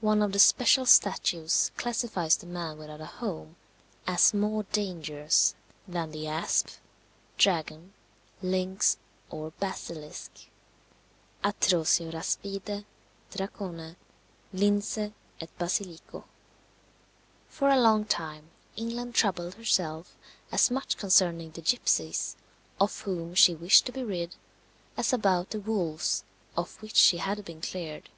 One of the special statutes classifies the man without a home as "more dangerous than the asp, dragon, lynx, or basilisk" (atrocior aspide, dracone, lynce, et basilico). For a long time England troubled herself as much concerning the gipsies, of whom she wished to be rid as about the wolves of which she had been cleared.